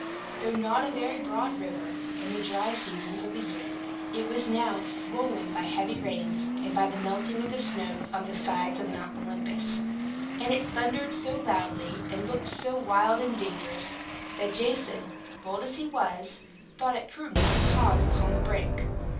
Though not a very broad river in the dry seasons of the year, it was now swollen by heavy rains and by the melting of the snow on the sides of Mount Olympus; and it thundered so loudly, and looked so wild and dangerous, that Jason, bold as he was, thought it prudent to pause upon the brink.